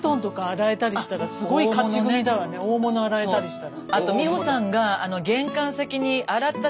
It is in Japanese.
大物洗えたりしたら。